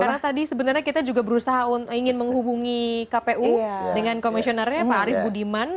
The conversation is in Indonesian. karena tadi sebenarnya kita juga berusaha ingin menghubungi kpu dengan komisionernya pak arief budiman